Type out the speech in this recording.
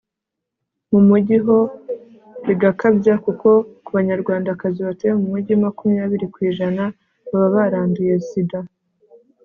mu mugi ho bigakabya kuko ku banyarwandakazi batuye mu mugi , makumyabiri kw'ijana baba baranduye sida